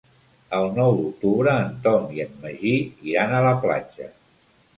El nou d'octubre en Tom i en Magí iran a la platja.